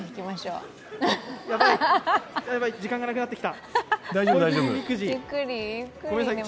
時間がなくなってきた。